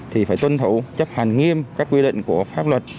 thì phải tuân thủ chấp hành nghiêm các quy định của pháp luật